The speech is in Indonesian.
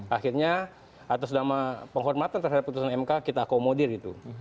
akhirnya atas nama penghormatan terhadap putusan mk kita akomodir gitu